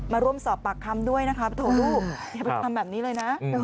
มาร่วมสอบปากคำด้วยนะคะอย่าไปทำแบบนี้เลยนะ